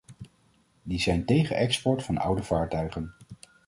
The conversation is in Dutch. Die zijn tegen export van oude vaartuigen.